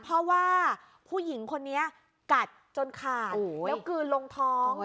เพราะว่าผู้หญิงคนนี้กัดจนขาดแล้วกลืนลงท้อง